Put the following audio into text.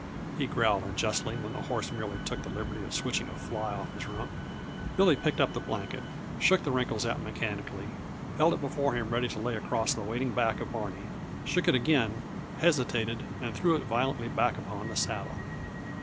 he growled unjustly, when the horse merely took the liberty of switching a fly off his rump. Billy picked up the blanket, shook the wrinkles out mechanically, held it before him ready to lay across the waiting back of Barney; shook it again, hesitated and threw it violently back upon the saddle.